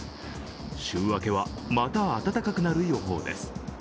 週明けはまた暖かくなる予報です。